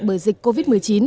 bởi dịch covid một mươi chín